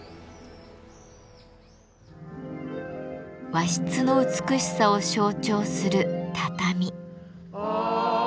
和室の美しさを象徴する「畳」。